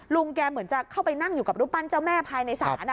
ลุงแกเหมือนจะเข้าไปนั่งอยู่กับรูปปั้นเจ้าแม่ภายในศาล